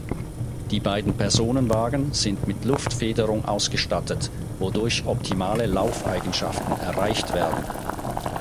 Die beiden Personenwagen sind mit Luftfederung ausgestattet, wodurch optimale Laufeigenschaften erreicht werden.